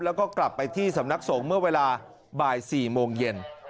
แล้วก็กลับไปที่สำนักสงฆ์เมื่อเวลาบ่าย๔โมงเย็น